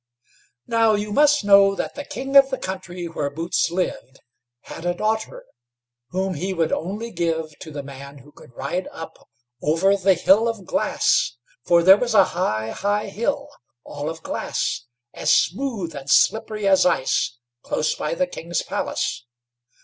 Now, you must know that the king of the country where Boots lived had a daughter, whom he would only give to the man who could ride up over the hill of glass, for there was a high, high hill, all of glass, as smooth and slippery as ice, close by the King's palace.